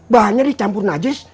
bahannya dicampur najis